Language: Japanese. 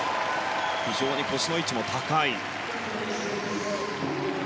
非常に腰の位置も高い。